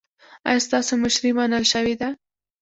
ایا ستاسو مشري منل شوې ده؟